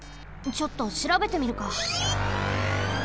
ちょっとしらべてみるか。